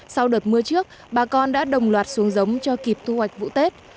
sau đợt mưa trước bà con đã đồng loạt xuống giống cho kịp thu hoạch vụ tết